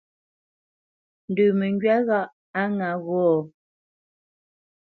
Ndə məŋgywá ghâʼ a ŋǎ gho?